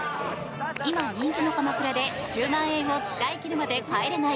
今人気の鎌倉で１０万円を使い切るまで帰れない